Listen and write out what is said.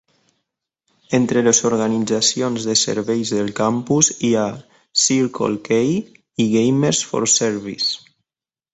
Entre les organitzacions de serveis del campus hi ha Circle K i Gamers for Service.